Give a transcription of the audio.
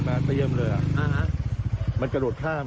ทุบประตูบ้านเข้า